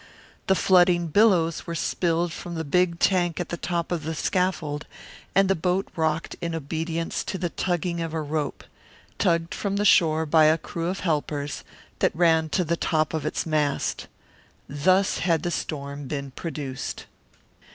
The flooding billows were spilled from the big tank at the top of the scaffold and the boat rocked in obedience to the tugging of a rope tugged from the shore by a crew of helpers that ran to the top of its mast. Thus had the storm been produced.